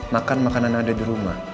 makan makanan yang ada di rumah